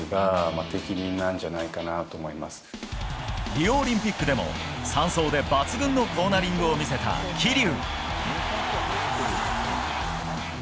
リオオリンピックでも３走で抜群のコーナリングを見せた桐生。